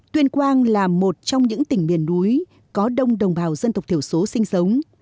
tuyên quang là một trong những tỉnh miền núi có đông đồng bào dân tộc thiểu số sinh sống